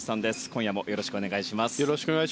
今夜もよろしくお願いします。